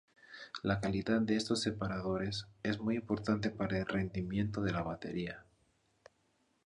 La calidad de estos separadores es muy importante para el rendimiento de la batería.